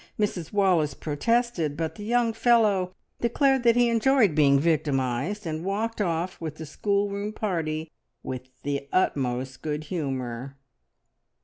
Mrs Wallace protested, but the young fellow declared that he enjoyed being victimised, and walked off with the schoolroom party with the utmost good humour.